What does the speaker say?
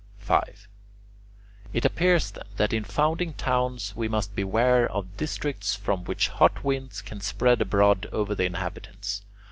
5. It appears, then, that in founding towns we must beware of districts from which hot winds can spread abroad over the inhabitants.